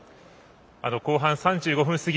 後半３５分過ぎ。